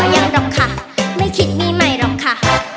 ยังหรอกค่ะไม่คิดหนี้ใหม่หรอกค่ะ